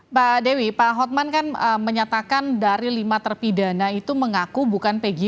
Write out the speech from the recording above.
pak dewi pak hotman kan menyatakan dari lima terpidana itu mengaku bukan pg